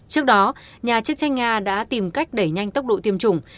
trước đó nhà chức trách nga đã tìm cách đẩy nhanh tốc độ tiêm chủng